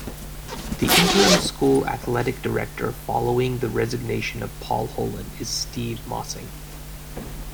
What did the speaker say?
The interim school athletic director following the resignation of Paul Holan is Steve Mossing.